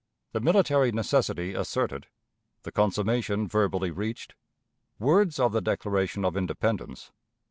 The Military Necessity asserted. The Consummation verbally reached. Words of the Declaration of Independence.